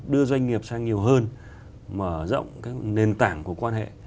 đưa doanh nghiệp sang nhiều hơn mở rộng các nền tảng của quan hệ